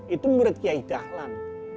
itu murid kiai dahlan